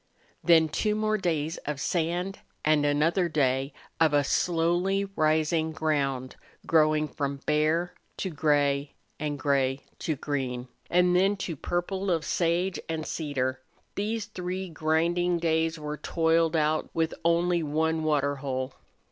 Then two more days of sand and another day of a slowly rising ground growing from bare to gray and gray to green, and then to the purple of sage and cedar these three grinding days were toiled out with only one water hole.